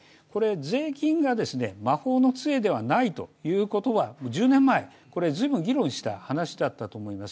税金が魔法のつえではないということは１０年前、ずいぶんと議論した話だったと思います。